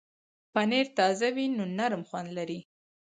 پنېر تازه وي نو نرم خوند لري.